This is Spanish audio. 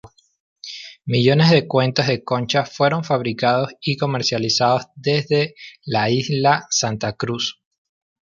Millones de cuentas de concha fueron fabricados y comercializados desde la isla Santa Cruz.